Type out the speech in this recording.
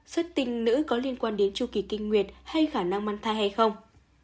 năm xuất tinh nữ có liên quan đến tru kỳ kinh nguyệt hay khả năng mang thai hay không